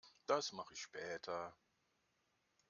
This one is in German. Das mache ich später.